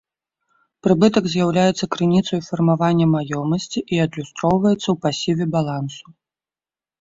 Прыбытак з'яўляецца крыніцаю фармавання маёмасці і адлюстроўваецца ў пасіве балансу.